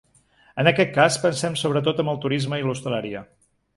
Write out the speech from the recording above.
En aquest cas, pensem sobretot amb el turisme i l’hostaleria.